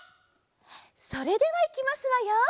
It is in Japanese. それではいきますわよ。